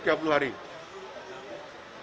yang dilakukan sidang disiplin